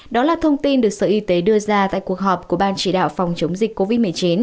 đó là thông tin được sở y tế đưa ra tại cuộc họp của ban chỉ đạo phòng chống dịch covid một mươi chín